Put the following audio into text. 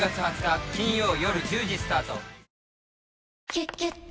「キュキュット」